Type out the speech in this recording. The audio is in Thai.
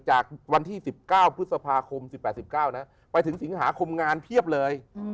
จากวันที่๑๙พฤษภาคม๑๘๑๙นะไปถึงสิงหาคมงานเพียบเลย